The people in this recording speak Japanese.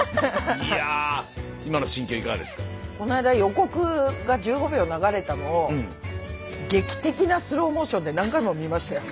この間予告が１５秒流れたのを劇的なスローモーションで何回も見ましたよ。